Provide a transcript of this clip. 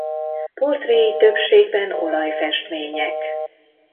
Portréi többségben olajfestmények.